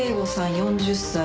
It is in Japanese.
４０歳。